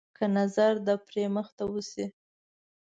که نظر د پري مخ ته وشي.